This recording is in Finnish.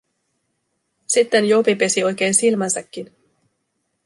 Sitten Jopi pesi oikein silmänsäkin.